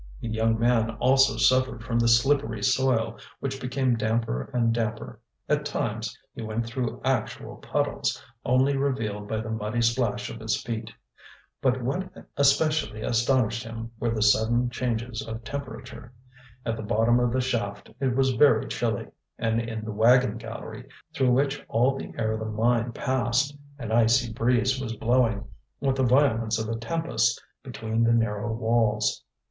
The young man also suffered from the slippery soil, which became damper and damper. At times he went through actual puddles, only revealed by the muddy splash of his feet. But what especially astonished him were the sudden changes of temperature. At the bottom of the shaft it was very chilly, and in the wagon gallery, through which all the air of the mine passed, an icy breeze was blowing, with the violence of a tempest, between the narrow walls.